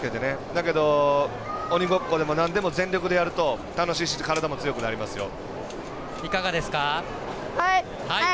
だけど、鬼ごっこでもなんでも全力でやると楽しいし、体も強くなりますよ。